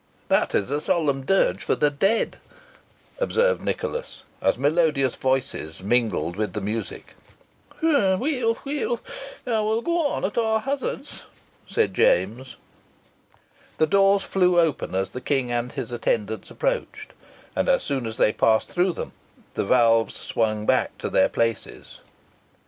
"That is a solemn dirge for the dead," observed Nicholas, as melodious voices mingled with the music. "Weel, weel, I will go on at a' hazards," said James. The doors flew open as the King and his attendants approached, and, as soon as they had passed through them, the valves swung back to their places.